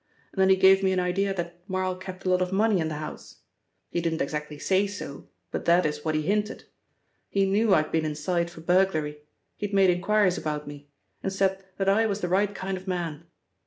And then he gave me an idea that Marl kept a lot of money in the house. He didn't exactly say so, but that is what he hinted. He knew I'd been inside for burglary, he'd made inquiries about me, and said that I was the right kind of man.